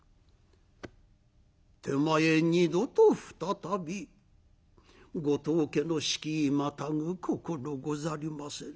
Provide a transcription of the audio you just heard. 手前二度と再びご当家の敷居またぐ心ござりませぬ」。